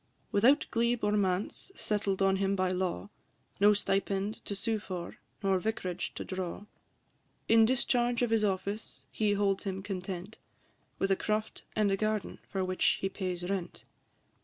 Without glebe or manse settled on him by law, No stipend to sue for, nor vic'rage to draw; In discharge of his office he holds him content, With a croft and a garden, for which he pays rent.